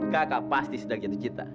kakak pasti sudah gitu cinta